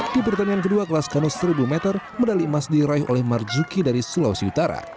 di pertandingan kedua kelas kanos seribu meter medali emas diraih oleh marzuki dari sulawesi utara